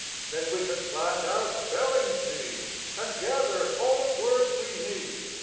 Then we could plant our spelling seed, And gather all the words we need.